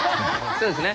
そうですね。